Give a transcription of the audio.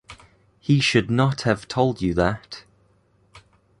He should not have told you that.